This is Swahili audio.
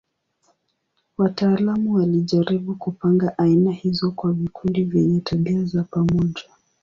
Wataalamu walijaribu kupanga aina hizo kwa vikundi vyenye tabia za pamoja.